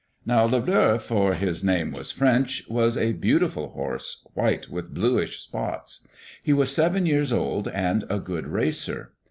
Now Le Bleu, for his name was French, was a beauti ful horse, white with bluish spots. He was seven years old and a good racer.